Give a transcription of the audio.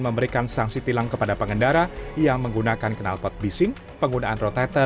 memberikan sanksi tilang kepada pengendara yang menggunakan kenalpot bising penggunaan roteta